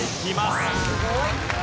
すごい。